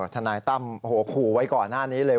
ถันายตั้มครูไว้ก่อนหน้านี้เลย